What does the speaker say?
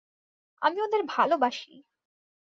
আমি ওদের ভালবাসি!